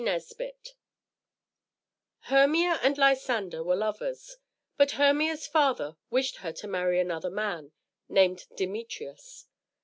Nesbit HERMIA and Lysander were lovers; but Hermia's father wished her to marry another man, named Demetrius.